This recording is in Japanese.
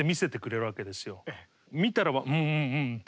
見たら「うんうんうん」って。